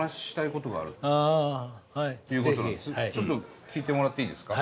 ちょっと聞いてもらっていいですか？